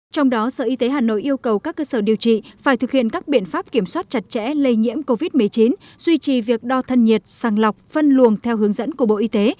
trong đó sở y tế hà nội yêu cầu các cơ sở điều trị phải thực hiện các biện pháp kiểm soát chặt chẽ lây nhiễm covid một mươi chín duy trì việc đo thân nhiệt sàng lọc phân luồng theo hướng dẫn của bộ y tế